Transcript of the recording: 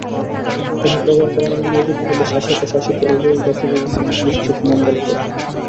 উহা প্রজার কল্যাণে নিয়োজিত হইলে শাসক ও শাসিত উভয় জাতিরই নিশ্চিত মঙ্গলপ্রদ।